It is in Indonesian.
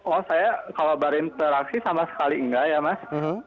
oh saya kalau berinteraksi sama sekali enggak ya mas